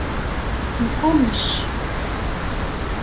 Neqqummec.